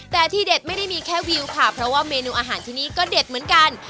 แต่ที่เด็ดไม่ได้มีแค่วิวค่ะเพราะว่าเมนูอาหารที่นี่ก็เด็ดเหมือนกัน